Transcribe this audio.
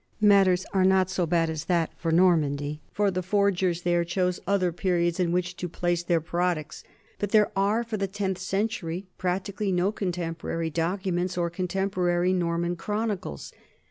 Matters are not so bad as that for Normandy, for the forgers there chose other periods in which to place their prod ucts, but there are for the tenth century practically no contemporary documents or contemporary Norman chronicles.